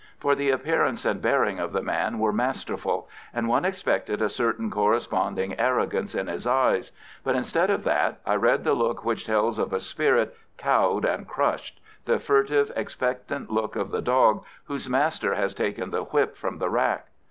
For the appearance and bearing of the man were masterful, and one expected a certain corresponding arrogance in his eyes, but instead of that I read the look which tells of a spirit cowed and crushed, the furtive, expectant look of the dog whose master has taken the whip from the rack.